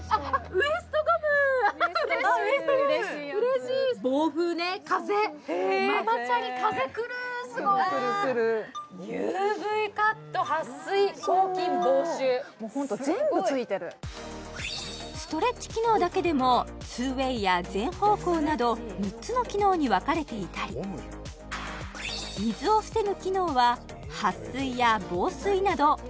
ウエストゴムうれしいやつくるくるくるそうもうホント全部付いてるストレッチ機能だけでも２ＷＡＹや全方向など６つの機能に分かれていたり水を防ぐ機能は撥水や防水など９種類